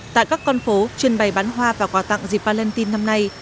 tại các con phố chuyên bày bán hoa và quà tặng dịp valentine năm nay